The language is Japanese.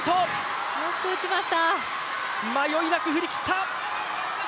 迷いなく振り切った！